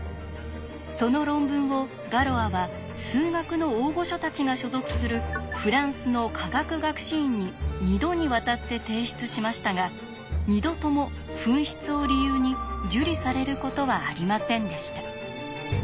その論文をガロアは数学の大御所たちが所属するフランスの科学学士院に２度にわたって提出しましたが２度とも紛失を理由に受理されることはありませんでした。